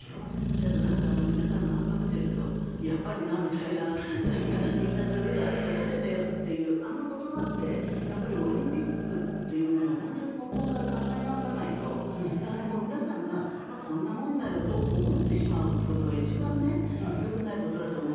ただ皆さんの反応を見ているとやっぱりなみたいなみんな、そういうことあると思ってたよみたいなあの言葉ってオリンピックというものを本当に根本から考え直さないとやはり皆さんがこんなもんだよと思ってしまうことが一番よくないことだと思う。